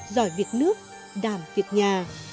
giỏi việc nước đảm việc nhà